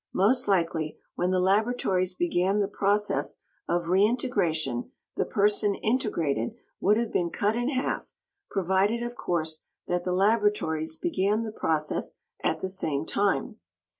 Most likely, when the laboratories began the process of reintegration, the person integrated would have been cut in half, provided of course, that the laboratories began the process at the same time.